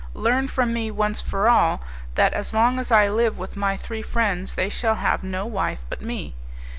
Learn from me once for all, that as long as I live with my three friends they shall have no wife but me.